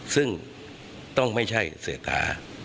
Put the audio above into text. ซึ่งต้องไม่ใช่เสถา